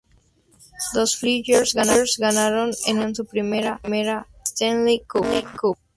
Los Flyers ganaron en esa ocasión su primera Stanley Cup.